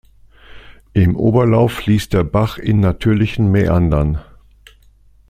Im Oberlauf fließt der Bach in natürlichen Mäandern.